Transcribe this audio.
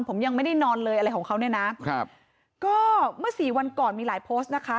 ผมยังไม่ได้นอนเลยอะไรของเขาเนี่ยนะครับก็เมื่อสี่วันก่อนมีหลายโพสต์นะคะ